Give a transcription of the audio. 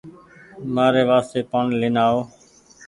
مآري واستي پآڻيٚ لين آئو